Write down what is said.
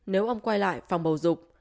nếu ông quay lại phòng bầu dục